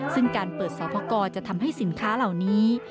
ซึ่งการเปิดสอบพกรจะทำให้สินค้าเหล่านี้